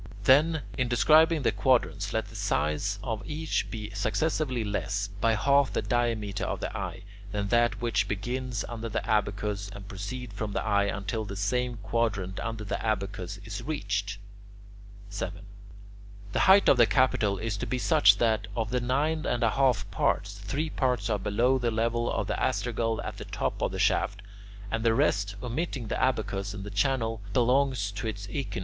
Then, in describing the quadrants, let the size of each be successively less, by half the diameter of the eye, than that which begins under the abacus, and proceed from the eye until that same quadrant under the abacus is reached. 7. The height of the capital is to be such that, of the nine and a half parts, three parts are below the level of the astragal at the top of the shaft, and the rest, omitting the abacus and the channel, belongs to its echinus.